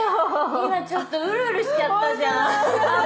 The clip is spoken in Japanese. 今ちょっとうるうるしちゃったじゃん！